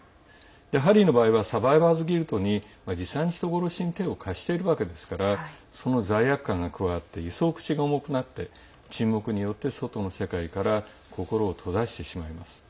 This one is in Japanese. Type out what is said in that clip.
ハリーの場合はサバイバーズ・ギルトに実際に殺害に手を貸しているわけですからその罪悪感が加わって一層、口が重くなって沈黙によって外の世界から心を閉ざしてしまいます。